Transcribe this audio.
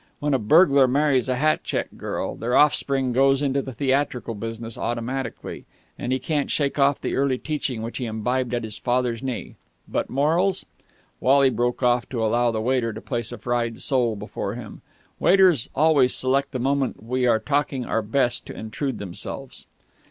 When a burglar marries a hat check girl, their offspring goes into the theatrical business automatically, and he can't shake off the early teaching which he imbibed at his father's knee. But morals...." Wally broke off to allow the waiter to place a fried sole before him. Waiters always select the moment when we are talking our best to intrude themselves.